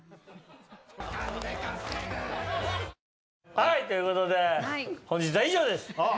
はいということで本日は以上です。